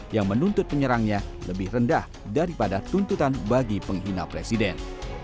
yang menuntut penyerangnya lebih rendah daripada tuntutan bagi penghina presiden